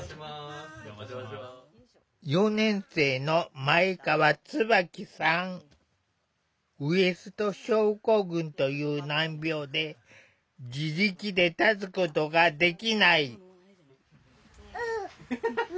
４年生のウエスト症候群という難病で自力で立つことができない。